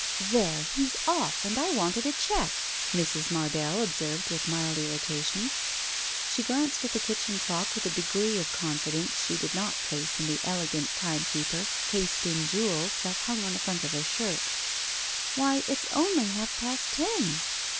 "There, he's off, and I wanted a cheque!" Mrs. Mardell observed with mild irritation. She glanced at the kitchen clock with a degree of confidence she did not place in the elegant time keeper, cased in jewels, that hung on the front of her shirt. "Why, it's only half past ten